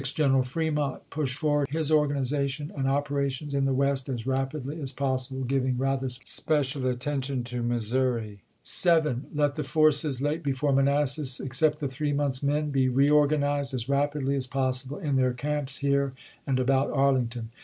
General Fremont push forward his organization and operations in the West as rapidly as possible, giving rather special attention to Missouri. WILLIAM A. RICUARDSON. BULL RUN 369 7. Let the forces late before Manassas, except the three chap. xx. mouths' men, be reorganized as rapidly as possible in their camps here and about Arlington.